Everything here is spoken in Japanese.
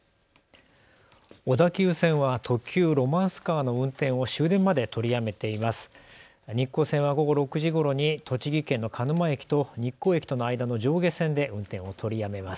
小田急線は特急ロマンスカーの運転を終電まで取りやめています。